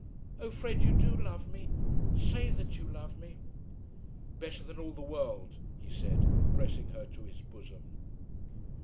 Oh, Fred, you do love me? Say that you love me." "Better than all the world," he said pressing her to his bosom.